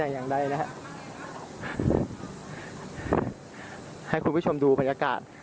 อย่างใดนะฮะให้คุณผู้ชมดูบรรยากาศ